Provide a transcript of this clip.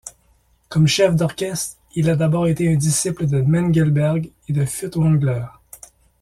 Comme chef d'orchestre, il a d'abord été un disciple de Mengelberg et de Furtwängler.